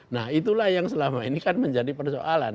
nah itulah yang selama ini kan menjadi persoalan